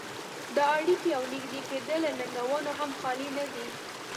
دا اړيکې او نږدې کېدل له ننګونو هم خالي نه دي.